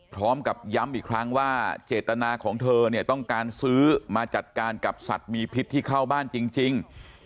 พร้อมกับย้ำอีกครั้งว่าเจตนาของเธอเนี่ยต้องการซื้อมาจัดการกับสัตว์มีพิษที่เข้าบ้านจริง